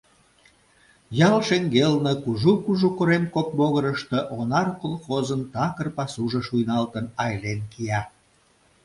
Ял шеҥгелне, кужу-кужу корем кок могырышто, «Онар» колхозын такыр пасужо шуйналтын, айлен кия.